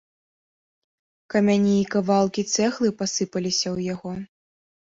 Камяні і кавалкі цэглы пасыпаліся ў яго.